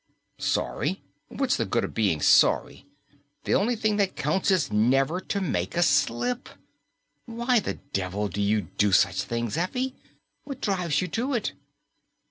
"Sorry? What's the good of being sorry? The only thing that counts is never to make a slip! Why the devil do you do such things, Effie? What drives you to it?"